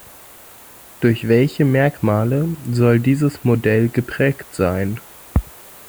Durch welche Merkmale soll dieses Modell geprägt sein?